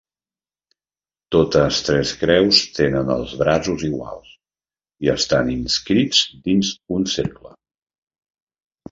Totes tres creus tenen els braços iguals i estan inscrits dins un cercle.